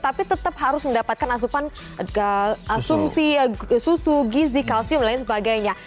tapi tetap harus mendapatkan asupan asumsi susu gizi kalsium dan lain sebagainya